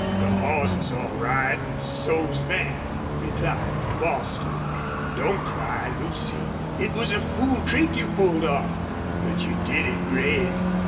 "The hoss's all right an' so's Van," replied Bostil. "Don't cry, Lucy. It was a fool trick you pulled off, but you did it great.